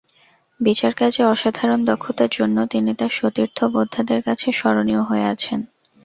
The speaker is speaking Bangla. বিচারকাজে অসাধারণ দক্ষতার জন্য তিনি তাঁর সতীর্থ-বোদ্ধাদের কাছে স্মরণীয় হয়ে আছেন।